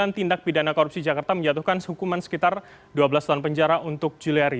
dan tindak pidana korupsi jakarta menjatuhkan hukuman sekitar dua belas tahun penjara untuk juliari